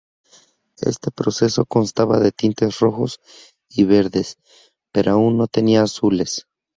Este proceso constaba de tintes rojos y verdes, pero aún no tenía azules.